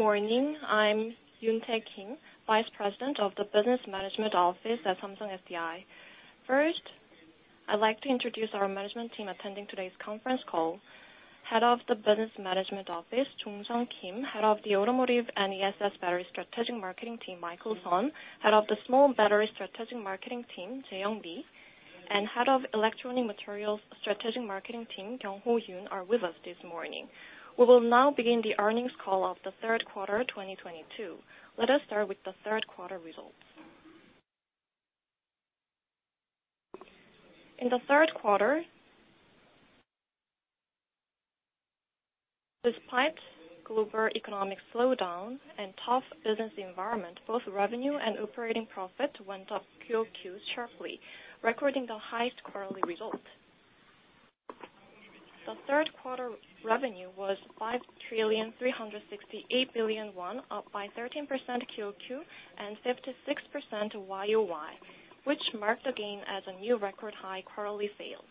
Good morning. I'm Yoon Tae Kim, Vice President of the Business Management Office at Samsung SDI. First, I'd like to introduce our management team attending today's conference call. Head of the Business Management Office, Jong Sung Kim. Head of the Automotive and ESS Battery Strategic Marketing team, Michael Son. Head of the Small Battery Strategic Marketing team, JaeYoung Lee. Head of Electronic Materials Strategic Marketing team, Kyungho Yoon, are with us this morning. We will now begin the earnings call of the third quarter 2022. Let us start with the third quarter results. In the third quarter, despite global economic slowdown and tough business environment, both revenue and operating profit went up QoQ sharply, recording the highest quarterly result. The third quarter revenue was 5,368,000,000,000 won, up by 13% QoQ and 56% YoY, which marked again as a new record high quarterly sales.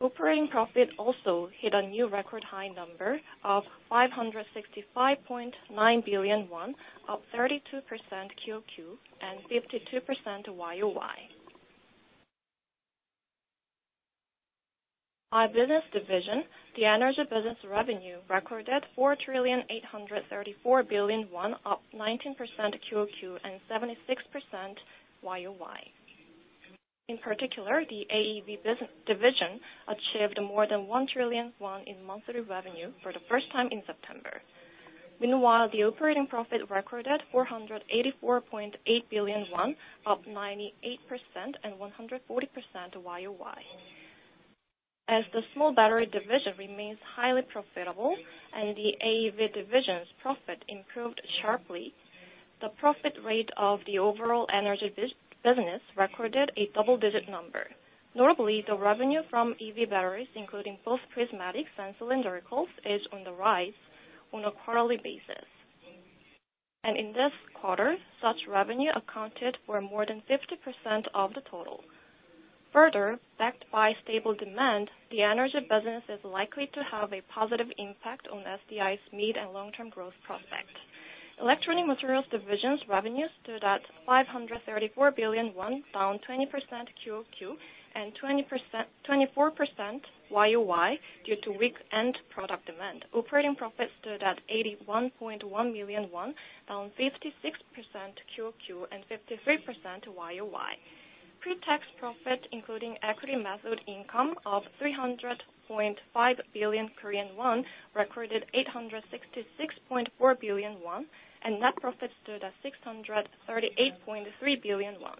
Operating profit also hit a new record high number of 565.9 billion won, up 32% QoQ and 52% YoY. By business division, the energy business revenue recorded 4,834,000,000,000 won, up 19% QoQ and 76% YoY. In particular, the AEB division achieved more than 1 trillion won in monthly revenue for the first time in September. Meanwhile, the operating profit recorded 484.8 billion won, up 98% and 140% YoY. As the small battery division remains highly profitable and the AEB division's profit improved sharply, the profit rate of the overall energy business recorded a double-digit number. Notably, the revenue from EV batteries, including both prismatics and cylindricals, is on the rise on a quarterly basis. In this quarter, such revenue accounted for more than 50% of the total. Further, backed by stable demand, the energy business is likely to have a positive impact on SDI's mid and long-term growth prospect. Electronic Materials division's revenues stood at 534 billion won, down 20% QoQ and 24% YoY due to weak end product demand. Operating profits stood at 81.1 million won, down 56% QoQ and 53% YoY. Pre-tax profit, including equity method income of 300.5 billion Korean won, recorded 866.4 billion won, and net profit stood at 638.3 billion won.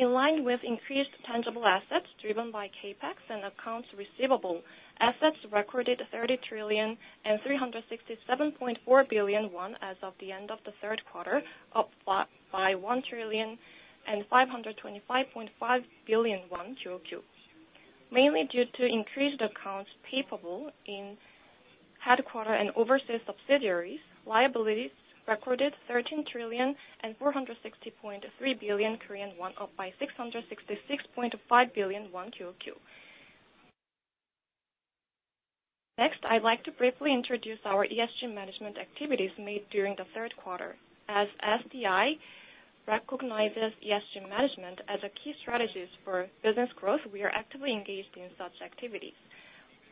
In line with increased tangible assets driven by CapEx and accounts receivable, assets recorded 30,367,400,000,000 won as of the end of the third quarter, up by 1,525,500,000,000 won QoQ. Mainly due to increased accounts payable in headquarters and overseas subsidiaries, liabilities recorded 13,460,300,000,000 Korean won, up by 666.5 billion won QoQ. Next, I'd like to briefly introduce our ESG management activities made during the third quarter. SDI recognizes ESG management as a key strategies for business growth, we are actively engaged in such activities.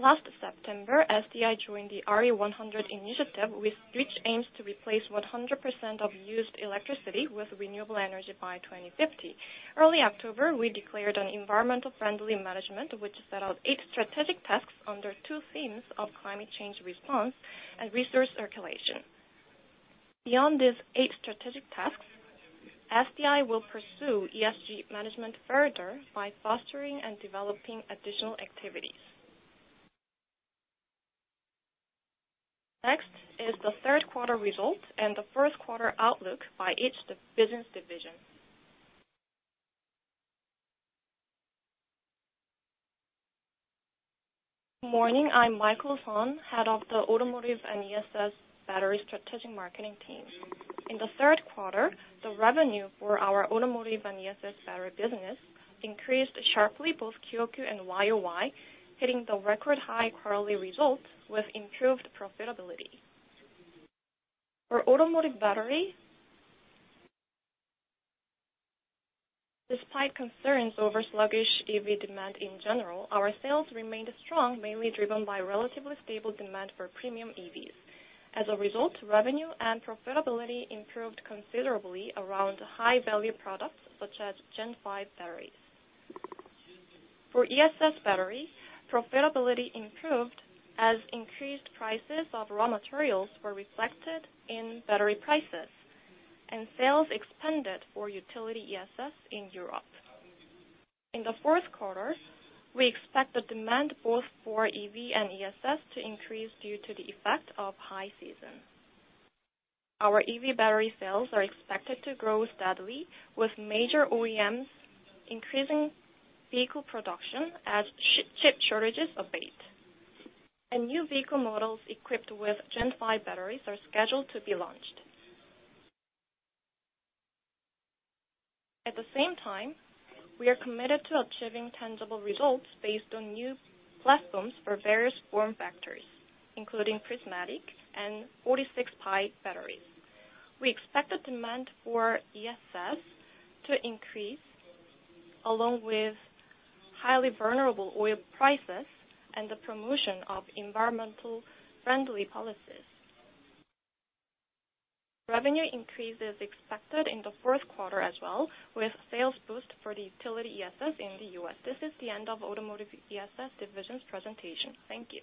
Last September, SDI joined the RE100 initiative, which aims to replace 100% of used electricity with renewable energy by 2050. Early October, we declared an environmentally friendly management, which set out eight strategic tasks under two themes of climate change response and resource circulation. Beyond these eight strategic tasks, SDI will pursue ESG management further by fostering and developing additional activities. Next is the third quarter result and the first quarter outlook by each business division. Morning, I'm Michael Son, Head of the Automotive and ESS Battery Strategic Marketing teams. In the third quarter, the revenue for our Automotive and ESS Battery business increased sharply, both QoQ and YoY, hitting the record high quarterly result with improved profitability. For automotive battery, despite concerns over sluggish EV demand in general, our sales remained strong, mainly driven by relatively stable demand for premium EVs. As a result, revenue and profitability improved considerably around high-value products such as Gen. 5 batteries. For ESS battery, profitability improved as increased prices of raw materials were reflected in battery prices, and sales expanded for utility ESS in Europe. In the fourth quarter, we expect the demand both for EV and ESS to increase due to the effect of high season. Our EV battery sales are expected to grow steadily, with major OEMs increasing vehicle production as chip shortages abate. New vehicle models equipped with Gen. 5 batteries are scheduled to be launched. At the same time, we are committed to achieving tangible results based on new platforms for various form factors, including prismatic and 46-phi batteries. We expect the demand for ESS to increase along with highly volatile oil prices and the promotion of environmentally friendly policies. Revenue increase is expected in the fourth quarter as well, with sales boost for the utility ESS in the U.S. This is the end of Automotive and ESS division's presentation. Thank you.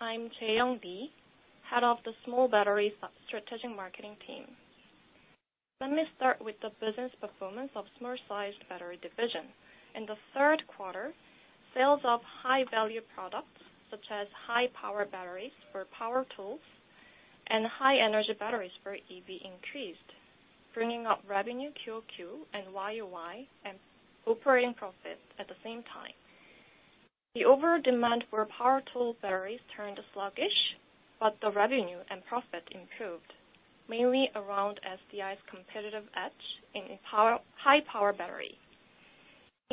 I'm JaeYoung Lee, Head of the Small Battery Strategic Marketing team. Let me start with the business performance of small-sized battery division. In the third quarter, sales of high value products such as high power batteries for power tools and high energy batteries for EV increased, bringing up revenue QoQ and YoY and operating profit at the same time. The demand for power tool batteries turned sluggish, but the revenue and profit improved mainly around SDI's competitive edge in power, high power battery.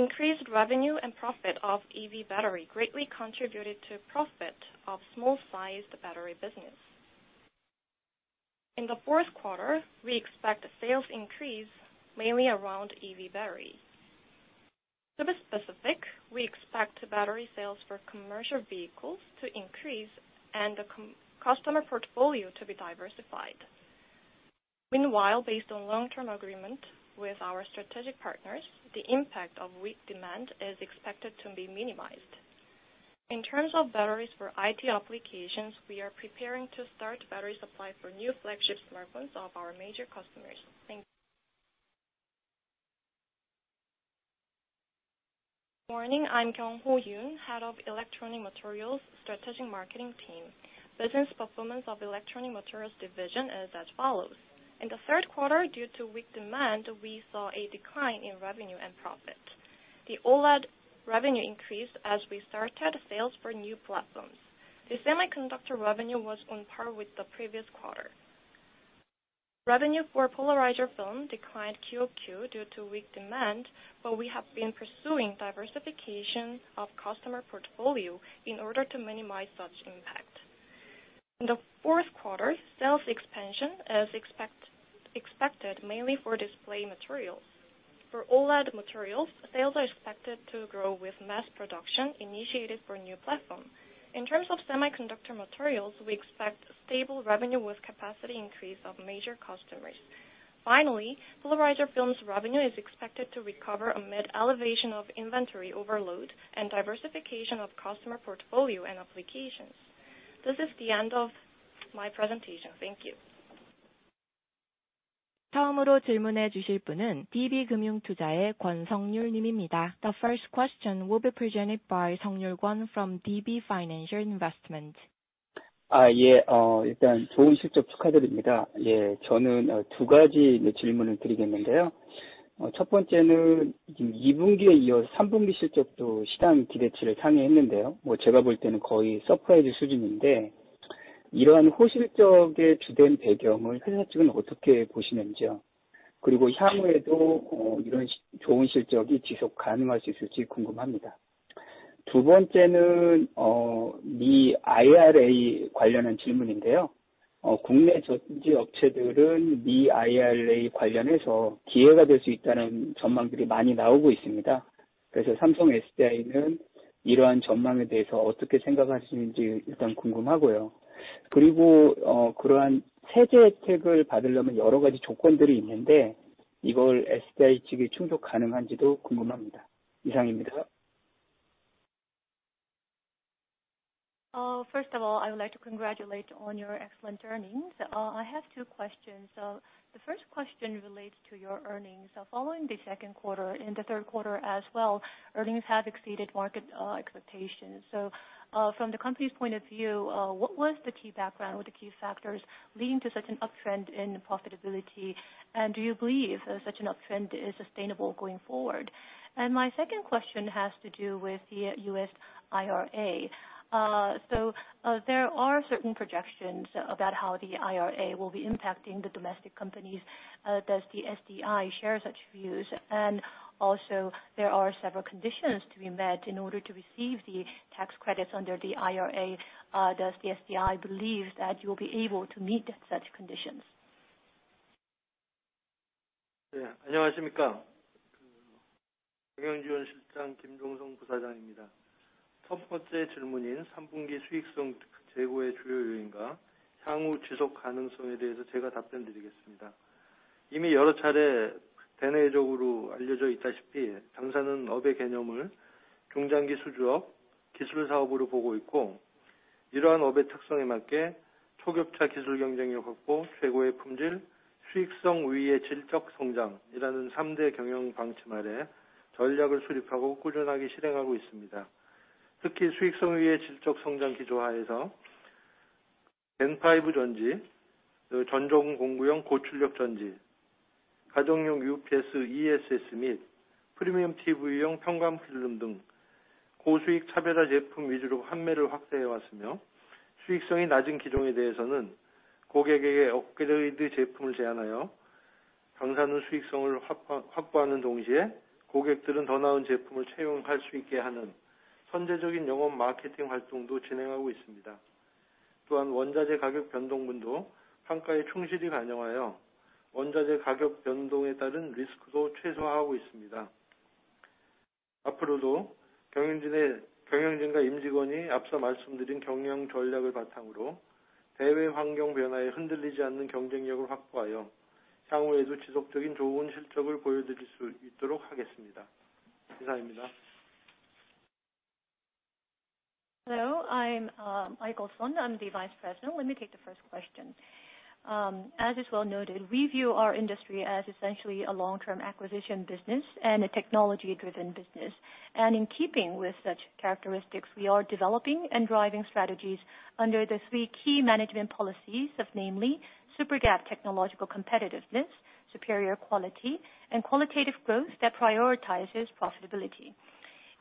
Increased revenue and profit of EV battery greatly contributed to profit of small-sized battery business. In the fourth quarter, we expect sales increase mainly around EV battery. To be specific, we expect battery sales for commercial vehicles to increase and the customer portfolio to be diversified. Meanwhile, based on long-term agreement with our strategic partners, the impact of weak demand is expected to be minimized. In terms of batteries for IT applications, we are preparing to start battery supply for new flagship smartphones of our major customers. Thank you. Morning, I'm Kyungho Yoon, Head of Electronic Materials Strategic Marketing team. Business performance of Electronic Materials division is as follows. In the third quarter, due to weak demand, we saw a decline in revenue and profit. The OLED revenue increased as we started sales for new platforms. The semiconductor revenue was on par with the previous quarter. Revenue for polarizer film declined QoQ due to weak demand, but we have been pursuing diversification of customer portfolio in order to minimize such impact. In the fourth quarter, sales expansion is expected mainly for display materials. For OLED materials, sales are expected to grow with mass production initiated for new platform. In terms of semiconductor materials, we expect stable revenue with capacity increase of major customers. Finally, polarizer films revenue is expected to recover amid alleviation of inventory overload and diversification of customer portfolio and applications. This is the end of my presentation. Thank you. The first question will be presented by Sung-ryul Kwon from DB Financial Investment. Yeah. First of all, I would like to congratulate on your excellent earnings. I have two questions. The first question relates to your earnings. Following the second quarter and the third quarter as well, earnings have exceeded market expectations. From the company's point of view, what was the key background or the key factors leading to such an uptrend in profitability, and do you believe such an uptrend is sustainable going forward? My second question has to do with the U.S. IRA. There are certain projections about how the IRA will be impacting the domestic companies. Does the SDI share such views? Also there are several conditions to be met in order to receive the tax credits under the IRA. Does the SDI believe that you'll be able to meet such conditions? Yeah. Hello, I'm Michael Son. I'm the Vice President. Let me take the first question. As is well noted, we view our industry as essentially a long-term acquisition business and a technology-driven business. In keeping with such characteristics, we are developing and driving strategies under the three key management policies of namely super gap technological competitiveness, superior quality and qualitative growth that prioritizes profitability.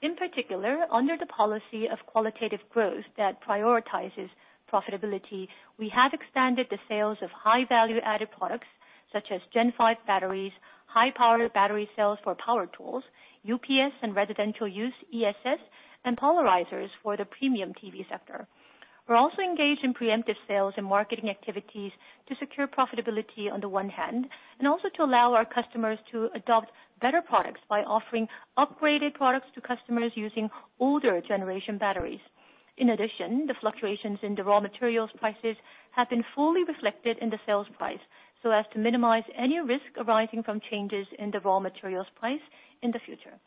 In particular, under the policy of qualitative growth that prioritizes profitability, we have expanded the sales of high value-added products such as Gen. 5 batteries, high-powered battery cells for power tools, UPS and residential use, ESS and polarizers for the premium TV sector. We're also engaged in preemptive sales and marketing activities to secure profitability on the one hand, and also to allow our customers to adopt better products by offering upgraded products to customers using older generation batteries. In addition, the fluctuations in the raw materials prices have been fully reflected in the sales price, so as to minimize any risk arising from changes in the raw materials price in the future.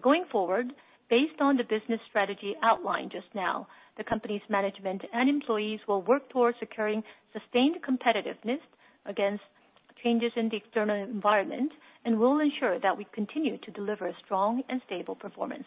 Going forward, based on the business strategy outlined just now, the company's management and employees will work towards securing sustained competitiveness against changes in the external environment, and will ensure that we continue to deliver strong and stable performance.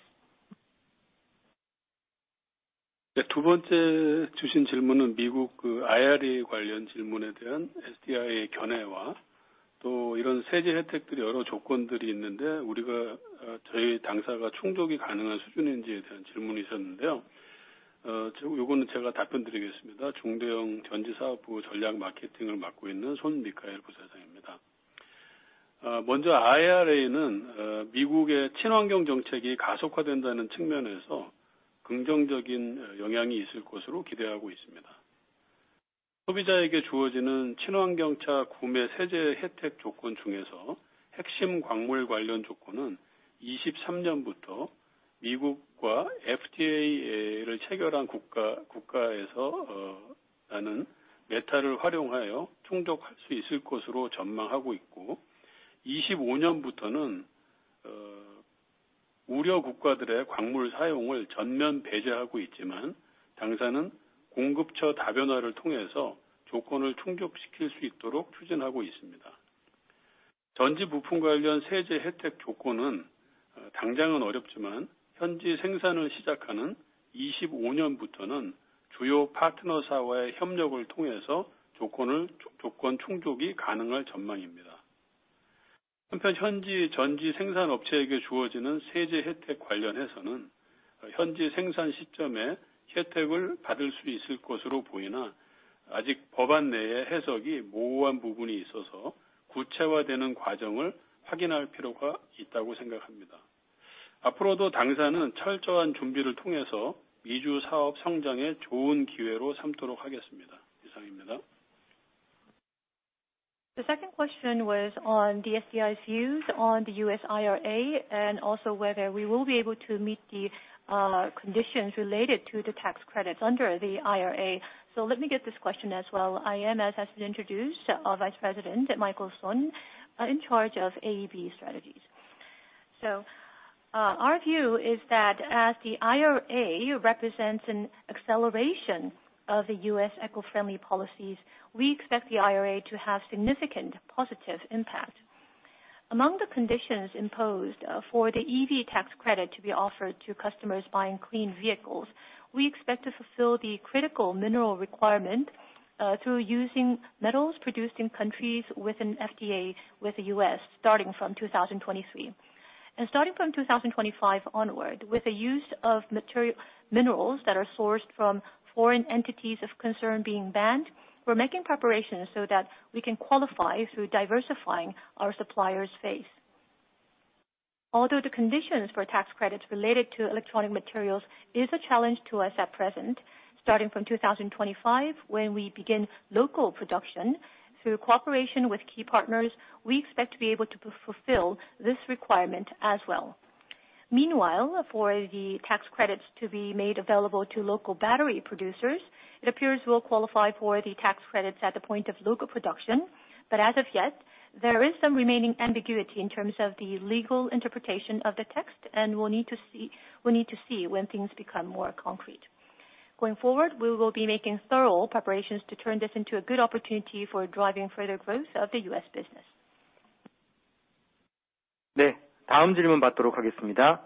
The second question was on the SDI's views on the U.S. IRA and also whether we will be able to meet the conditions related to the tax credits under the IRA. Let me get this question as well. I am, as has been introduced, our Vice President, Michael Son, in charge of EV strategies. Our view is that as the IRA represents an acceleration of the U.S. eco-friendly policies, we expect the IRA to have significant positive impact. Among the conditions imposed, for the EV tax credit to be offered to customers buying clean vehicles, we expect to fulfill the critical mineral requirement, through using metals produced in countries with an FTA with the U.S. starting from 2023. Starting from 2025 onward with the use of minerals that are sourced from foreign entities of concern being banned, we're making preparations so that we can qualify through diversifying our suppliers phase. Although the conditions for tax credits related to electronic materials is a challenge to us at present, starting from 2025, when we begin local production through cooperation with key partners, we expect to be able to fulfill this requirement as well. Meanwhile, for the tax credits to be made available to local battery producers, it appears we'll qualify for the tax credits at the point of local production. As of yet, there is some remaining ambiguity in terms of the legal interpretation of the text, and we need to see when things become more concrete. Going forward, we will be making thorough preparations to turn this into a good opportunity for driving further growth of the U.S. business. 네, 다음 질문 받도록 하겠습니다.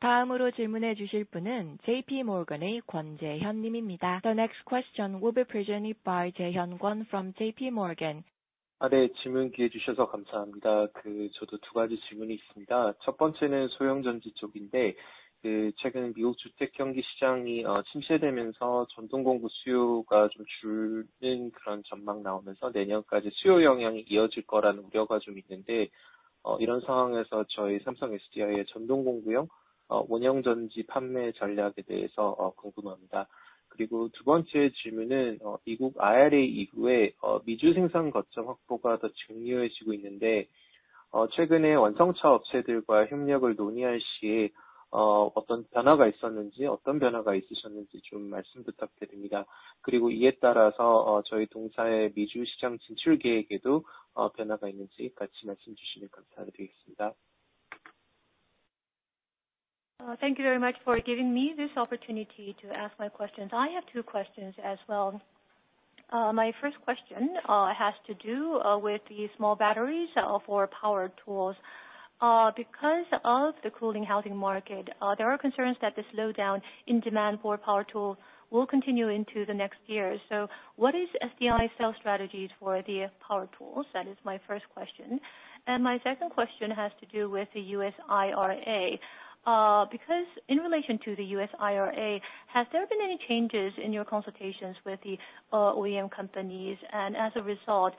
다음으로 질문해 주실 분은 J.P. Morgan의 권재현 님입니다. The next question will be presented by Jay Kwon from J.P. Morgan. 질문 기회 주셔서 감사합니다. 두 가지 질문이 있습니다. 첫 번째는 소형 전지 쪽인데, 최근 미국 주택 경기 시장이 침체되면서 전동공구 수요가 좀 줄는 그런 전망 나오면서 내년까지 수요 영향이 이어질 거라는 우려가 좀 있는데, 이런 상황에서 삼성 SDI의 전동공구용 원형 전지 판매 전략에 대해서 궁금합니다. 그리고 두 번째 질문은, 미국 IRA 이후에 미주 생산 거점 확보가 더 중요해지고 있는데, 최근에 완성차 업체들과의 협력을 논의할 시에 어떤 변화가 있으셨는지 말씀 부탁드립니다. 그리고 이에 따라서 동사의 미주 시장 진출 계획에도 변화가 있는지 같이 말씀 주시면 감사드리겠습니다. Thank you very much for giving me this opportunity to ask my questions. I have two questions as well. My first question has to do with the small batteries for power tools. Because of the cooling housing market, there are concerns that the slowdown in demand for power tools will continue into the next year. What is SDI sales strategies for the power tools? That is my first question. My second question has to do with the U.S. IRA. Because in relation to the U.S. IRA, has there been any changes in your consultations with the OEM companies? And as a result,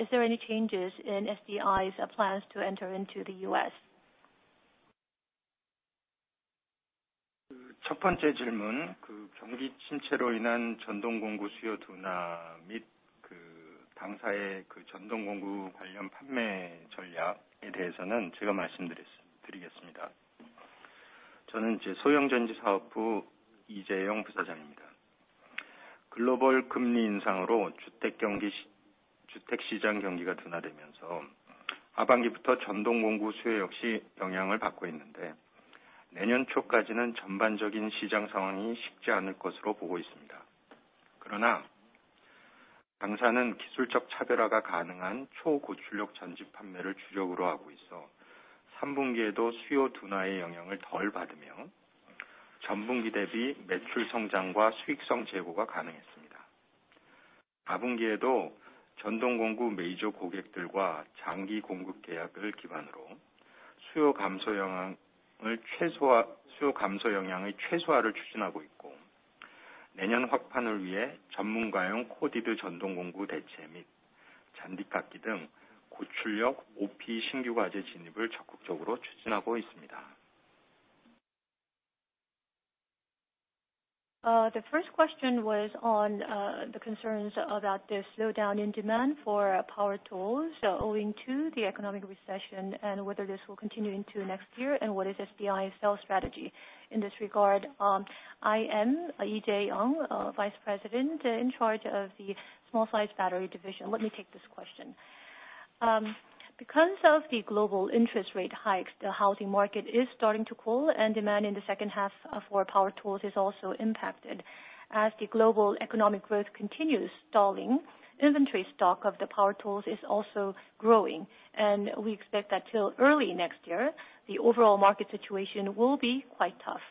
is there any changes in SDI's plans to enter into the U.S.? 첫 번째 질문, 경기 침체로 인한 전동공구 수요 둔화 및 당사의 전동공구 관련 판매 전략에 대해서는 제가 말씀드리겠습니다. 저는 소형전지사업부 이재영 부사장입니다. 글로벌 금리 인상으로 주택시장 경기가 둔화되면서 하반기부터 전동공구 수요 역시 영향을 받고 있는데 내년 초까지는 전반적인 시장 상황이 쉽지 않을 것으로 보고 있습니다. 그러나 당사는 기술적 차별화가 가능한 초고출력 전지 판매를 주력으로 하고 있어 삼분기에도 수요 둔화의 영향을 덜 받으며 전분기 대비 매출 성장과 수익성 제고가 가능했습니다. 사분기에도 전동공구 메이저 고객들과 장기 공급 계약을 기반으로 수요 감소 영향의 최소화를 추진하고 있고, 내년 확판을 위해 전문가용 코디드 전동공구 대체 및 잔디깎이 등 고출력 OPE 신규 과제 진입을 적극적으로 추진하고 있습니다. The first question was on the concerns about the slowdown in demand for power tools owing to the economic recession, and whether this will continue into next year, and what is SDI sales strategy in this regard? I am Lee, JaeYoung, Vice President in charge of the small size battery division. Let me take this question. Because of the global interest rate hikes, the housing market is starting to cool, and demand in the second half for power tools is also impacted. As the global economic growth continues stalling, inventory stock of the power tools is also growing, and we expect that till early next year the overall market situation will be quite tough.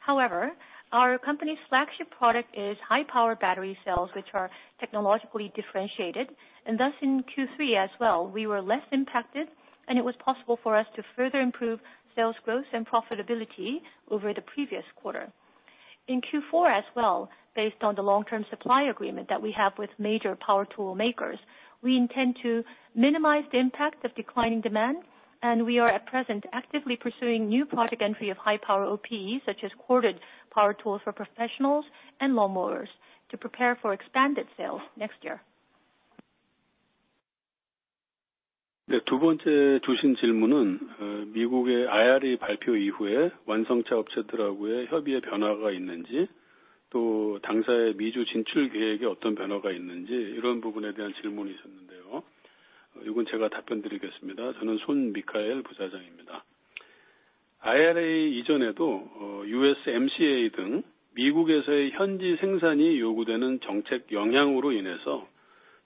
However, our company's flagship product is high power battery cells, which are technologically differentiated. Thus, in Q3 as well, we were less impacted, and it was possible for us to further improve sales growth and profitability over the previous quarter. In Q4 as well, based on the long term supply agreement that we have with major power tool makers, we intend to minimize the impact of declining demand. We are at present actively pursuing new product entry of high power OPEs, such as corded power tools for professionals and lawnmowers to prepare for expanded sales next year. 두 번째 주신 질문은 미국의 IRA 발표 이후에 완성차 업체들하고의 협의에 변화가 있는지, 또 당사의 미주 진출 계획에 어떤 변화가 있는지, 이런 부분에 대한 질문이셨는데요. 이건 제가 답변드리겠습니다. 저는 손미카엘 부사장입니다. IRA 이전에도 USMCA 등 미국에서의 현지 생산이 요구되는 정책 영향으로 인해서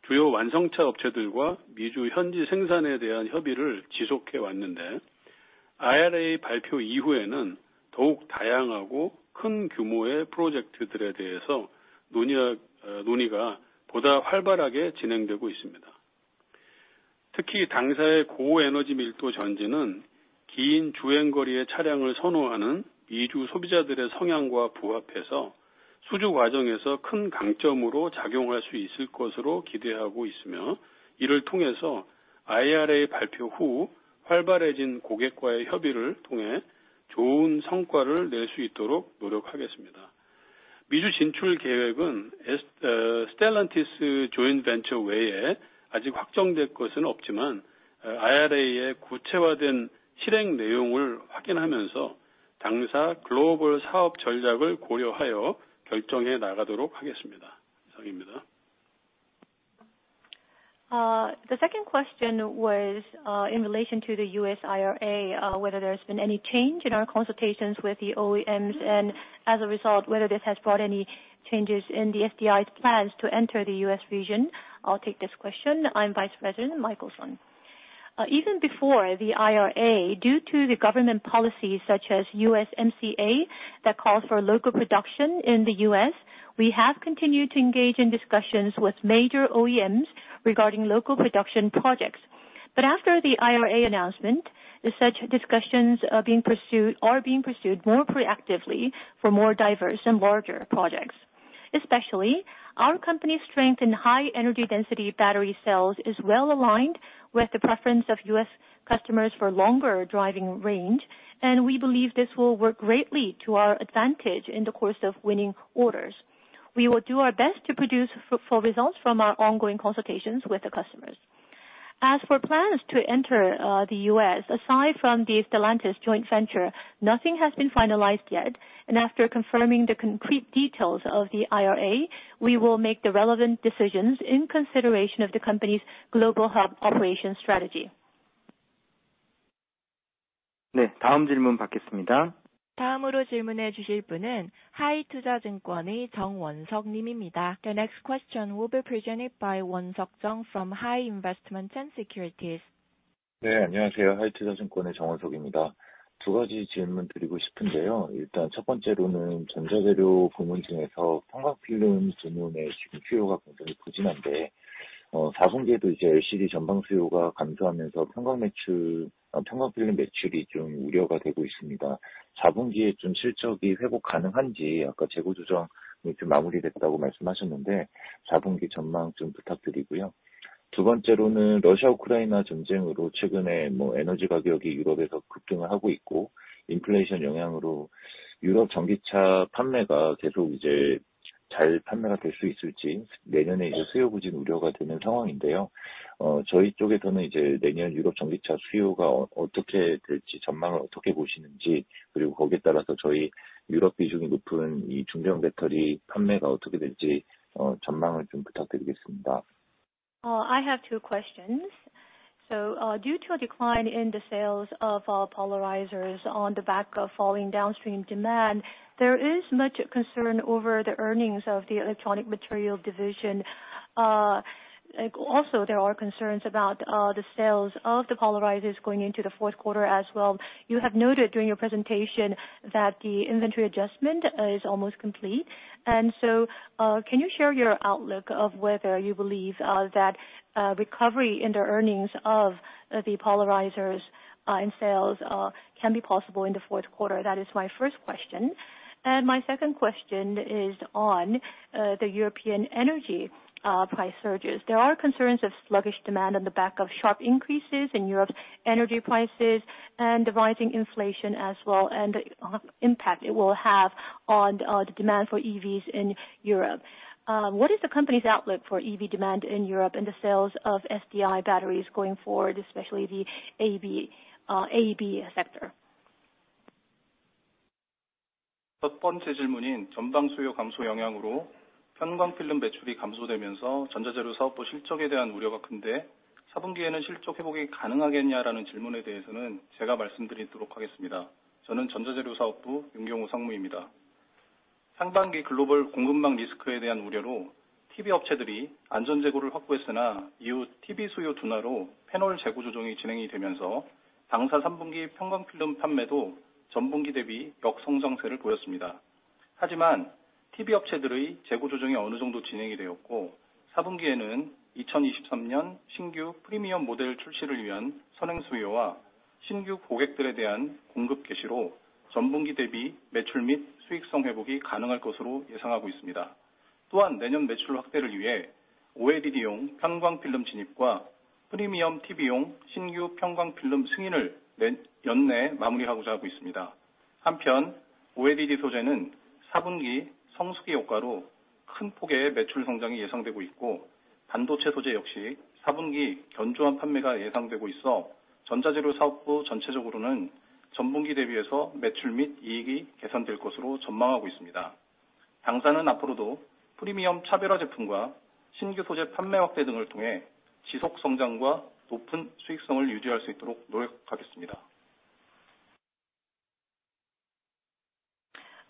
주요 완성차 업체들과 미주 현지 생산에 대한 협의를 지속해 왔는데, IRA 발표 이후에는 더욱 다양하고 큰 규모의 프로젝트들에 대해서 논의가 보다 활발하게 진행되고 있습니다. 특히 당사의 고에너지 밀도 전지는 긴 주행거리의 차량을 선호하는 미주 소비자들의 성향과 부합해서 수주 과정에서 큰 강점으로 작용할 수 있을 것으로 기대하고 있으며, 이를 통해서 IRA 발표 후 활발해진 고객과의 협의를 통해 좋은 성과를 낼수 있도록 노력하겠습니다. 미주 진출 계획은 Stellantis joint venture 외에 아직 확정된 것은 없지만, IRA의 구체화된 실행 내용을 확인하면서 당사 글로벌 사업 전략을 고려하여 결정해 나가도록 하겠습니다. 이상입니다. The second question was in relation to the U.S. IRA, whether there's been any change in our consultations with the OEMs, and as a result, whether this has brought any changes in the SDI's plans to enter the U.S. region. I'll take this question. I'm Vice President Michael Son. Even before the IRA, due to the government policies such as USMCA that call for local production in the U.S., we have continued to engage in discussions with major OEMs regarding local production projects. After the IRA announcement, such discussions are being pursued more proactively for more diverse and larger projects. Especially, our company's strength in high energy density battery cells is well aligned with the preference of U.S. customers for longer driving range, and we believe this will work greatly to our advantage in the course of winning orders. We will do our best to produce fruitful results from our ongoing consultations with the customers. As for plans to enter the U.S., aside from the Stellantis joint venture, nothing has been finalized yet, and after confirming the concrete details of the IRA, we will make the relevant decisions in consideration of the company's global hub operation strategy. The next question will be presented by Won-seok Jung from Hi Investment & Securities. I have two questions. Due to a decline in the sales of polarizers on the back of falling downstream demand, there is much concern over the earnings of the electronic material division. Like, also there are concerns about the sales of the polarizers going into the fourth quarter as well. You have noted during your presentation that the inventory adjustment is almost complete. Can you share your outlook of whether you believe that recovery in the earnings of the polarizers in sales can be possible in the fourth quarter? That is my first question. My second question is on the European energy price surges. There are concerns of sluggish demand on the back of sharp increases in Europe's energy prices and the rising inflation as well, and the impact it will have on the demand for EVs in Europe. What is the company's outlook for EV demand in Europe and the sales of SDI batteries going forward, especially the AEB sector?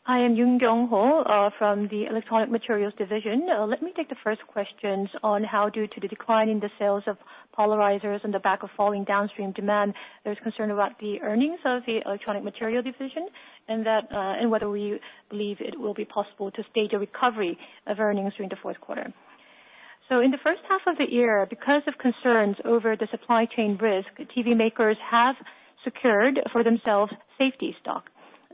I am Yoon Kyungho from the Electronic Materials Division. Let me take the first questions on how due to the decline in the sales of polarizers on the back of falling downstream demand, there's concern about the earnings of the electronic material division, and that, and whether we believe it will be possible to stage a recovery of earnings during the fourth quarter. In the first half of the year, because of concerns over the supply chain risk, TV makers have secured for themselves safety stock.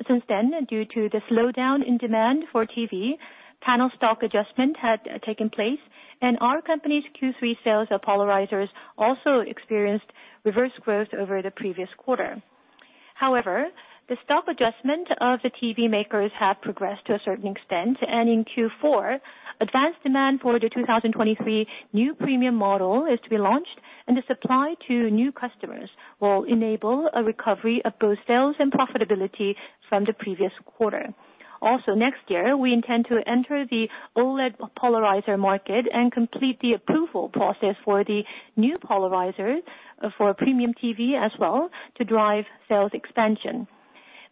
Since then, due to the slowdown in demand for TV, panel stock adjustment had taken place, and our company's Q3 sales of polarizers also experienced reverse growth over the previous quarter. However, the stock adjustment of the TV makers have progressed to a certain extent, and in Q4, advanced demand for the 2023 new premium model is to be launched, and the supply to new customers will enable a recovery of both sales and profitability from the previous quarter. Also, next year, we intend to enter the OLED polarizer market and complete the approval process for the new polarizer for premium TV as well to drive sales expansion.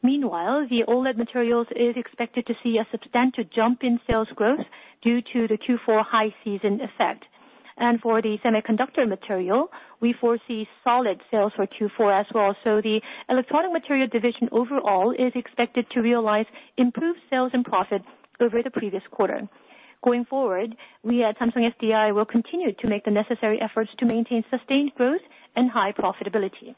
Meanwhile, the OLED materials is expected to see a substantial jump in sales growth due to the Q4 high season effect. For the semiconductor material, we foresee solid sales for Q4 as well. The electronic material division overall is expected to realize improved sales and profits over the previous quarter. Going forward, we at Samsung SDI will continue to make the necessary efforts to maintain sustained growth and high profitability.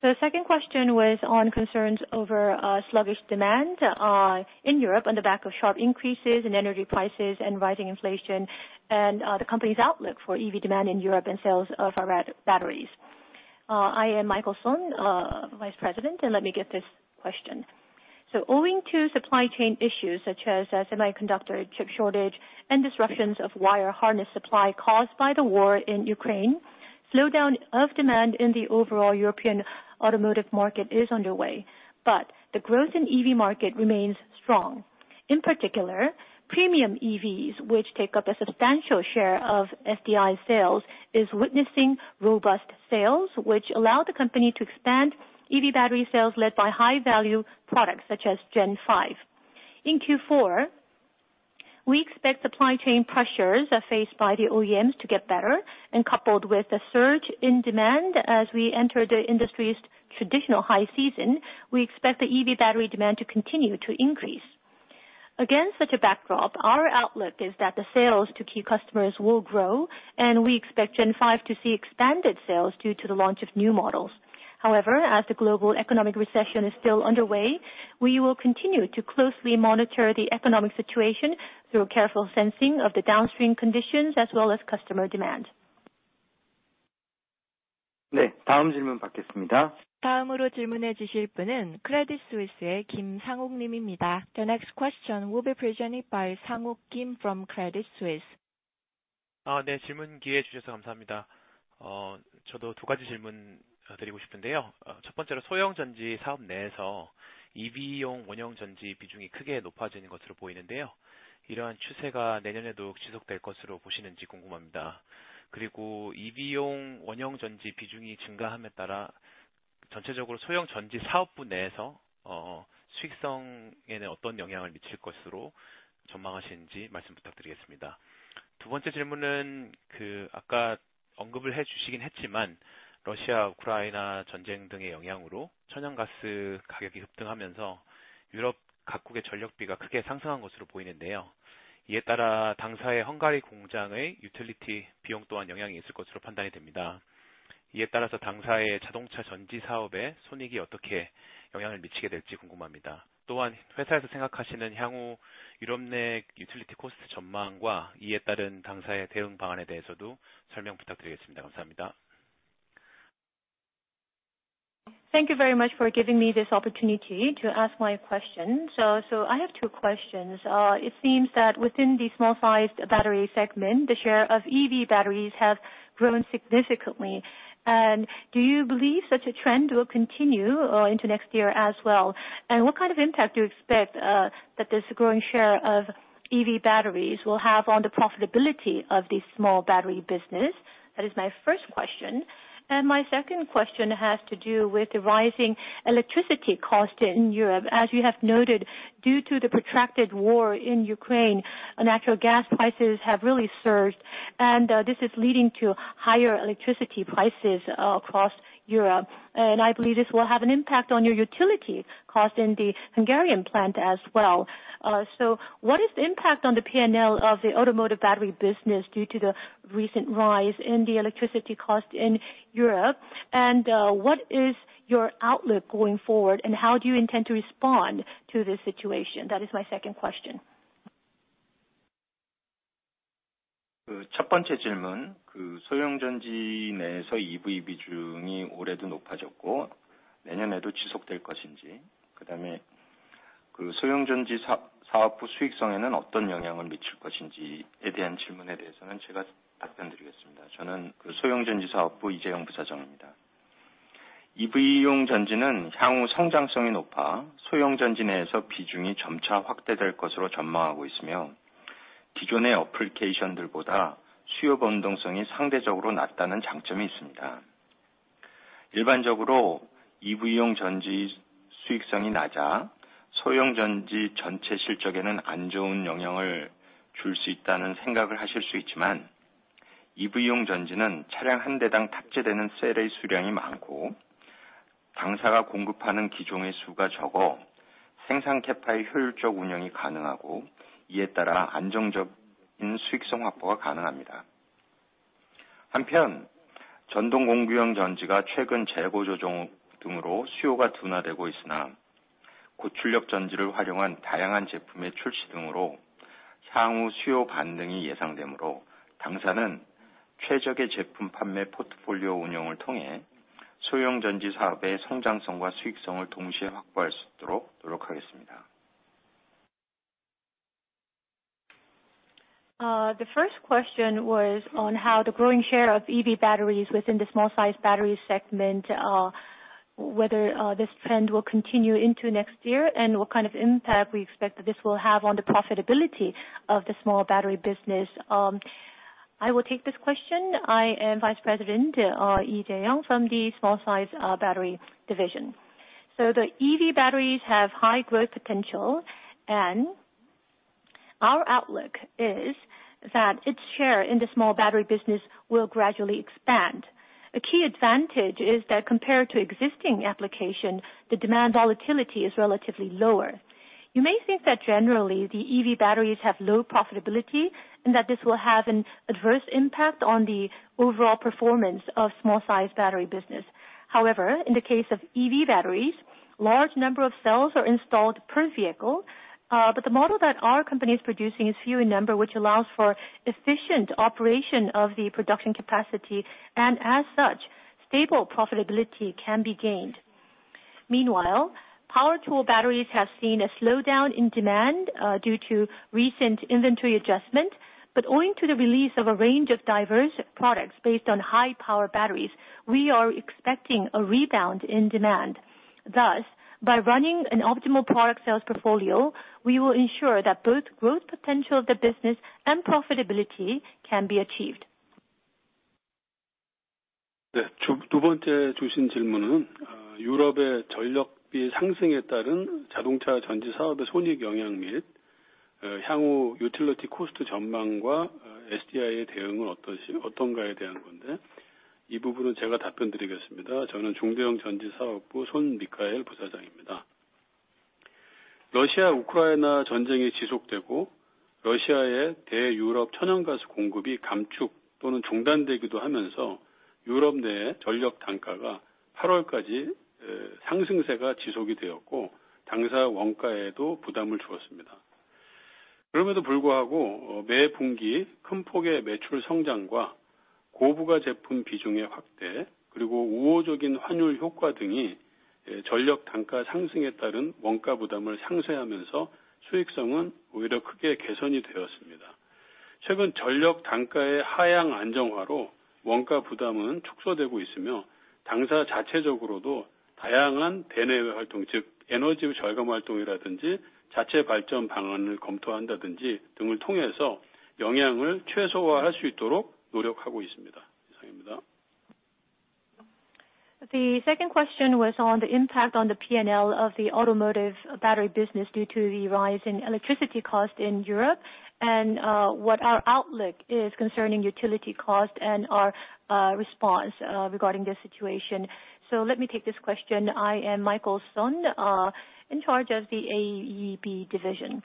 The second question was on concerns over sluggish demand in Europe on the back of sharp increases in energy prices and rising inflation and the company's outlook for EV demand in Europe and sales of our batteries. I am Michael Son, Vice President, and let me get this question. Owing to supply chain issues such as semiconductor chip shortage and disruptions of wire harness supply caused by the war in Ukraine, slowdown of demand in the overall European automotive market is underway, but the growth in EV market remains strong. In particular, premium EVs, which take up a substantial share of SDI sales, is witnessing robust sales, which allow the company to expand EV battery sales led by high value products such as Gen 5. In Q4, we expect supply chain pressures are faced by the OEMs to get better and coupled with the surge in demand as we enter the industry's traditional high season, we expect the EV battery demand to continue to increase. Against such a backdrop, our outlook is that the sales to key customers will grow, and we expect Gen 5 to see expanded sales due to the launch of new models. However, as the global economic recession is still underway, we will continue to closely monitor the economic situation through careful sensing of the downstream conditions as well as customer demand. The next question will be presented by Sanguk Kim from Credit Suisse. Thank you very much for giving me this opportunity to ask my question. I have two questions. It seems that within the small sized battery segment, the share of EV batteries have grown significantly. Do you believe such a trend will continue into next year as well? What kind of impact do you expect that this growing share of EV batteries will have on the profitability of the small battery business? That is my first question. My second question has to do with the rising electricity cost in Europe. As you have noted, due to the protracted war in Ukraine, natural gas prices have really surged and this is leading to higher electricity prices across Europe. I believe this will have an impact on your utility cost in the Hungarian plant as well. What is the impact on the P&L of the automotive battery business due to the recent rise in the electricity cost in Europe? What is your outlook going forward and how do you intend to respond to this situation? That is my second question. 첫 번째 질문, 소형 전지 내에서 EV 비중이 올해도 높아졌고 내년에도 지속될 것인지, 그다음에 소형 전지 사업부 수익성에는 어떤 영향을 미칠 것인지에 대한 질문에 대해서는 제가 답변드리겠습니다. 저는 소형 전지 사업부 이재영 부사장입니다. EV용 전지는 향후 성장성이 높아 소형 전지 내에서 비중이 점차 확대될 것으로 전망하고 있으며, 기존의 어플리케이션들보다 수요 변동성이 상대적으로 낮다는 장점이 있습니다. 일반적으로 EV용 전지 수익성이 낮아 소형 전지 전체 실적에는 안 좋은 영향을 줄수 있다는 생각을 하실 수 있지만, EV용 전지는 차량 한 대당 탑재되는 셀의 수량이 많고 당사가 공급하는 기종의 수가 적어 생산 캐파의 효율적 운영이 가능하고, 이에 따라 안정적인 수익성 확보가 가능합니다. 한편, 전동 공구용 전지가 최근 재고 조정 등으로 수요가 둔화되고 있으나 고출력 전지를 활용한 다양한 제품의 출시 등으로 향후 수요 반등이 예상되므로, 당사는 최적의 제품 판매 포트폴리오 운영을 통해 소형 전지 사업의 성장성과 수익성을 동시에 확보할 수 있도록 노력하겠습니다. The first question was on how the growing share of EV batteries within the small size battery segment, whether this trend will continue into next year, and what kind of impact we expect that this will have on the profitability of the small battery business. I will take this question. I am Vice President Lee JaeYoung from the small size battery division. The EV batteries have high growth potential, and our outlook is that its share in the small battery business will gradually expand. A key advantage is that compared to existing application, the demand volatility is relatively lower. You may think that generally the EV batteries have low profitability and that this will have an adverse impact on the overall performance of small sized battery business. However, in the case of EV batteries, large number of cells are installed per vehicle. The model that our company is producing is few in number, which allows for efficient operation of the production capacity, and as such, stable profitability can be gained. Meanwhile, power tool batteries have seen a slowdown in demand, due to recent inventory adjustment. Owing to the release of a range of diverse products based on high power batteries, we are expecting a rebound in demand. Thus, by running an optimal product sales portfolio, we will ensure that both growth potential of the business and profitability can be achieved. 두 번째 주신 질문은 유럽의 전력비 상승에 따른 자동차 전지 사업의 손익 영향 및 향후 utility cost 전망과 SDI의 대응은 어떤가에 대한 건데, 이 부분은 제가 답변드리겠습니다. 저는 중대형 전지 사업부 손미카엘 부사장입니다. 러시아, 우크라이나 전쟁이 지속되고 러시아의 대 유럽 천연가스 공급이 감축 또는 중단되기도 하면서 유럽 내 전력 단가가 8월까지 상승세가 지속이 되었고 당사 원가에도 부담을 주었습니다. 그럼에도 불구하고 매 분기 큰 폭의 매출 성장과 고부가 제품 비중의 확대, 그리고 우호적인 환율 효과 등이 전력 단가 상승에 따른 원가 부담을 상쇄하면서 수익성은 오히려 크게 개선이 되었습니다. 최근 전력 단가의 하향 안정화로 원가 부담은 축소되고 있으며, 당사 자체적으로도 다양한 대내외 활동, 즉 에너지 절감 활동이라든지 자체 발전 방안을 검토한다든지 등을 통해서 영향을 최소화할 수 있도록 노력하고 있습니다. The second question was on the impact on the P&L of the automotive battery business due to the rise in electricity cost in Europe and what our outlook is concerning utility cost and our response regarding this situation. Let me take this question. I am Michael Son, in charge of the AEB division.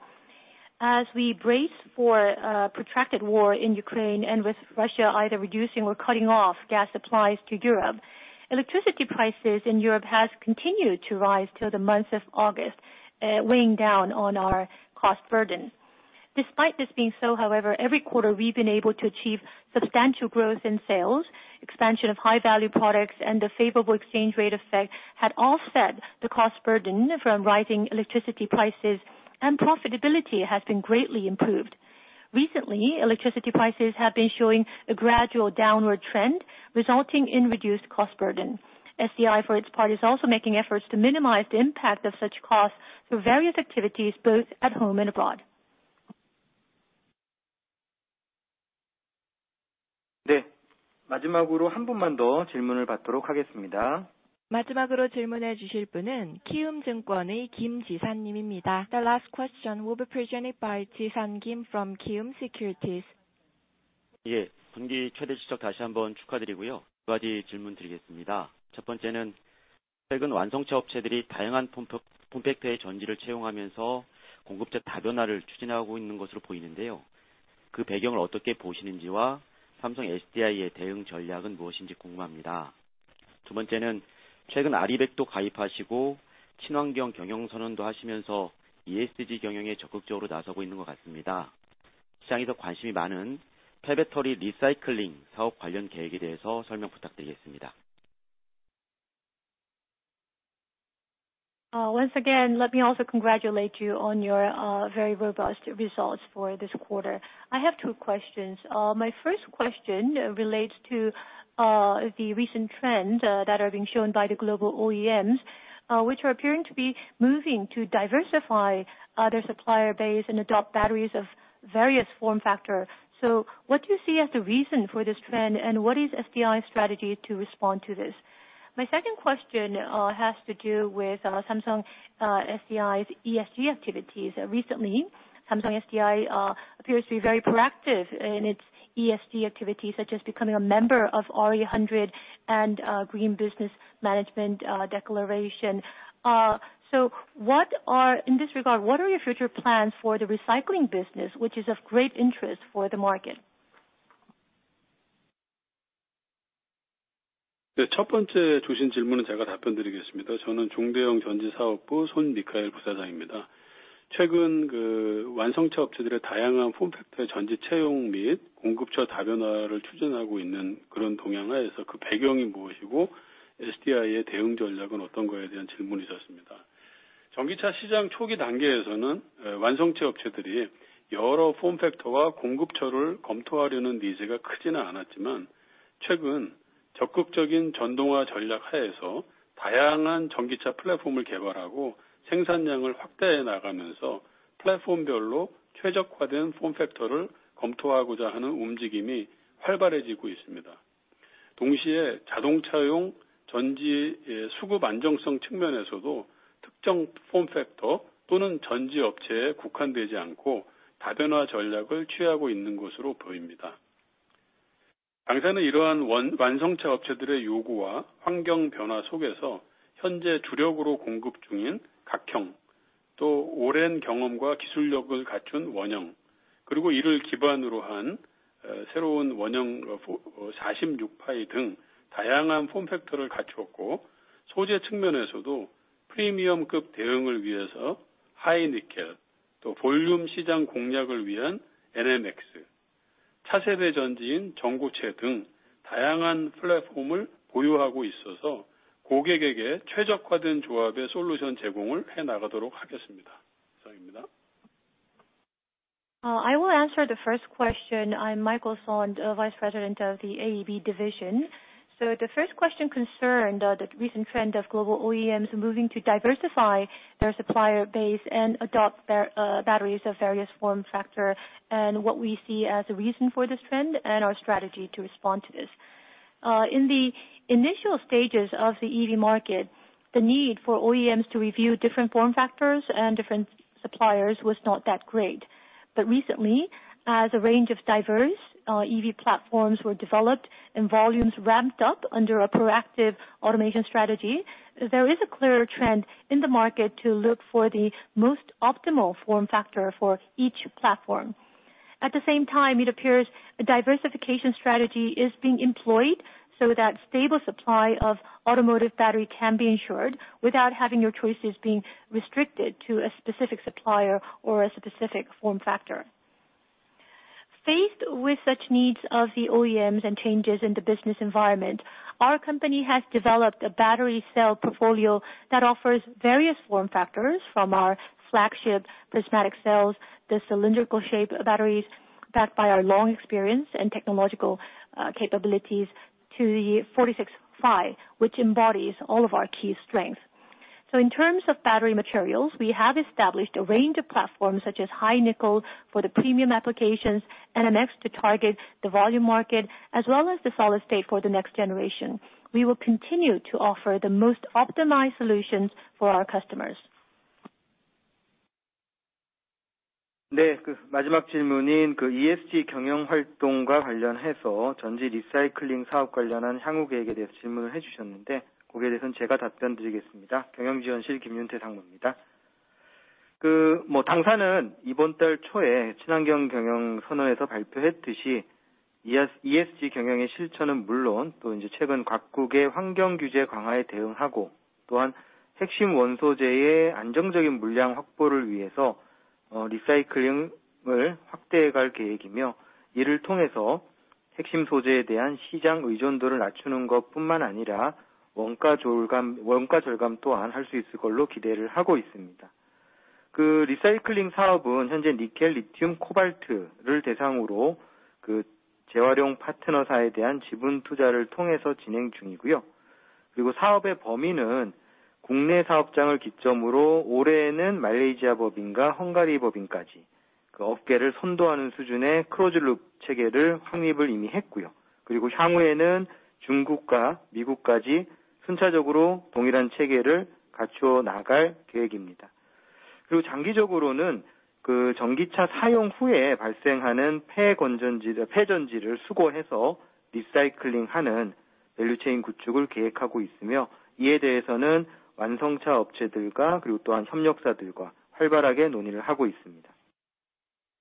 As we brace for protracted war in Ukraine and with Russia either reducing or cutting off gas supplies to Europe, electricity prices in Europe has continued to rise till the month of August, weighing down on our cost burden. Despite this being so, however, every quarter we've been able to achieve substantial growth in sales, expansion of high value products and a favorable exchange rate effect had offset the cost burden from rising electricity prices and profitability has been greatly improved. Recently, electricity prices have been showing a gradual downward trend, resulting in reduced cost burden. SDI, for its part, is also making efforts to minimize the impact of such costs through various activities both at home and abroad. 네, 마지막으로 한 분만 더 질문을 받도록 하겠습니다. 마지막으로 질문해 주실 분은 Kiwoom Securities의 김지산 님입니다. The last question will be presented by Ji-San Kim from KIWOOM Securities. 예, 분기 최대 실적 다시 한번 축하드리고요. 두 가지 질문드리겠습니다. 첫 번째는 최근 완성차 업체들이 다양한 폼팩터의 전지를 채용하면서 공급자 다변화를 추진하고 있는 것으로 보이는데요. 그 배경을 어떻게 보시는지와 삼성 SDI의 대응 전략은 무엇인지 궁금합니다. Once again, let me also congratulate you on your very robust results for this quarter. I have two questions. My first question relates to the recent trends that are being shown by the global OEMs, which are appearing to be moving to diversify their supplier base and adopt batteries of various form factor. What do you see as the reason for this trend, and what is SDI's strategy to respond to this? My second question has to do with Samsung SDI's ESG activities. Recently, Samsung SDI appears to be very proactive in its ESG activities, such as becoming a member of RE100 and Environmental Management Declaration. In this regard, what are your future plans for the recycling business, which is of great interest for the market? I will answer the first question. I'm Michael Son, Vice President of the AEB division. The first question concerned the recent trend of global OEMs moving to diversify their supplier base and adopt their batteries of various form factor, and what we see as a reason for this trend and our strategy to respond to this. In the initial stages of the EV market, the need for OEMs to review different form factors and different suppliers was not that great. Recently, as a range of diverse EV platforms were developed and volumes ramped up under a proactive adoption strategy, there is a clear trend in the market to look for the most optimal form factor for each platform. At the same time, it appears a diversification strategy is being employed so that stable supply of automotive battery can be ensured without having your choices being restricted to a specific supplier or a specific form factor. Faced with such needs of the OEMs and changes in the business environment, our company has developed a battery cell portfolio that offers various form factors from our flagship prismatic cells, the cylindrical shape batteries backed by our long experience and technological capabilities to the 46-phi, which embodies all of our key strengths. In terms of battery materials, we have established a range of platforms, such as high-nickel for the premium applications, NMX to target the volume market, as well as the solid state for the next generation. We will continue to offer the most optimized solutions for our customers.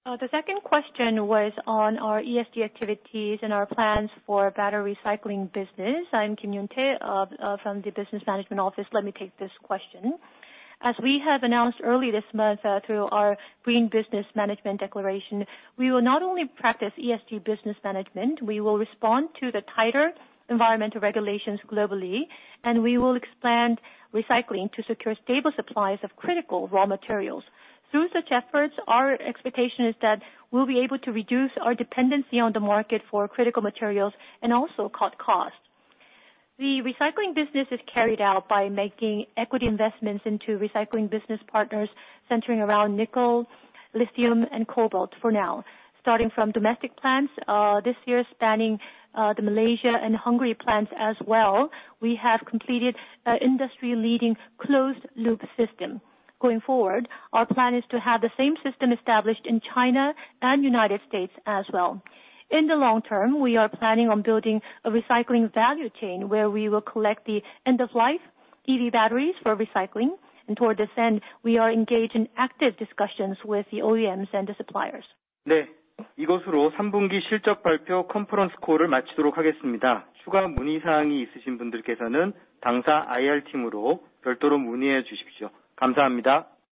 The second question was on our ESG activities and our plans for battery recycling business. I'm Kim, Yoon Tae from the Business Management Office. Let me take this question. As we have announced early this month, through our Environmental Management Declaration, we will not only practice ESG business management, we will respond to the tighter environmental regulations globally, and we will expand recycling to secure stable supplies of critical raw materials. Through such efforts, our expectation is that we'll be able to reduce our dependency on the market for critical materials and also cut costs. The recycling business is carried out by making equity investments into recycling business partners centering around nickel, lithium, and cobalt for now. Starting from domestic plants, this year spanning, the Malaysia and Hungary plants as well, we have completed an industry-leading closed-loop system. Going forward, our plan is to have the same system established in China and United States as well. In the long term, we are planning on building a recycling value chain where we will collect the end-of-life EV batteries for recycling. Toward this end, we are engaged in active discussions with the OEMs and the suppliers.